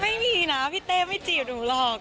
ไม่มีนะพี่เต้ไม่จีบหนูหรอก